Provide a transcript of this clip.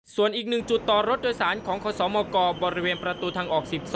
ส่วนอีก๑จุดต่อรถโดยสารของคศมกบริเวณประตูทางออก๑๒